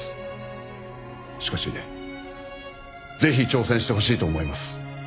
しかしぜひ挑戦してほしいと思います。